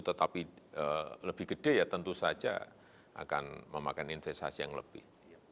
tetapi lebih gede ya tentu saja akan memakan investasi yang lebih